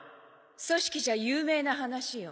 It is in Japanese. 「組織」じゃ有名な話よ。